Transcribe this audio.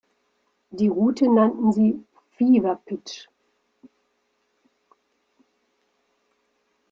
Die Route nannten sie "Fever Pitch".